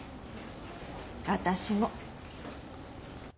私も。